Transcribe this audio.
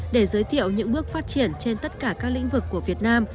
để giới thiệu những bước phát triển trên tất cả các lĩnh vực của việt nam